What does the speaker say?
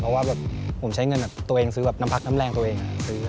เพราะว่าแบบผมใช้เงินแบบตัวเองซื้อแบบน้ำพักน้ำแรงตัวเองซื้อ